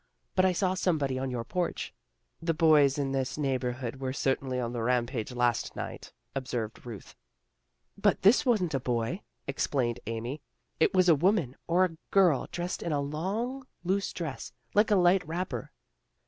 But I saw somebody on your porch." " The boys in this neighborhood were cer tainly on the rampage last night," observed Ruth. " But this wasn't a boy," explained Amy. " It was a woman, or a girl, dressed hi a long, loose dress, like a light wrapper."